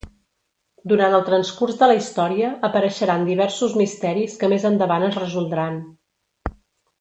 Durant el transcurs de la història apareixeran diversos misteris que més endavant es resoldran.